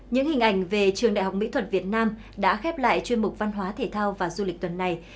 những hình ảnh về trường đại học mỹ thuật việt nam đã khép lại chuyên mục văn hóa thể thao và du lịch tuần này